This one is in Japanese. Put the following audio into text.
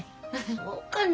そうかな